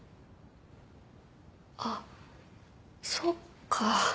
あっそっか。